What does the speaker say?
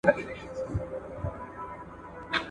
چېرته يو ځای کې به غږېږم